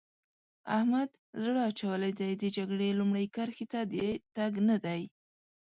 احمد زړه اچولی دی؛ د جګړې لومړۍ کرښې ته د تګ نه دی.